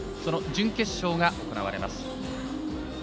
準決勝が行われます。